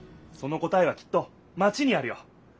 その答えはきっとマチにあるよ！